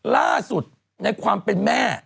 ล่าสุดในความเป็นแม่